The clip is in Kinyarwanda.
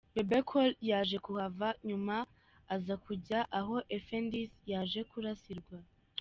Bebe Cool yaje kuhava, nyuma aza kujya aho Effendys yaje kurasirwa.